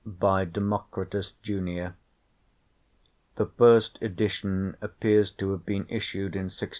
By Democritus Junior.' The first edition appears to have been issued in 1621.